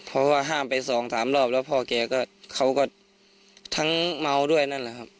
เพราะว่าห้ามไปสองสามรอบแล้วพ่อแกก็เขาก็ทั้งเมาด้วยนั่นแหละครับ